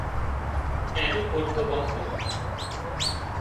اين نون پوٽڪُون ٻانڌيون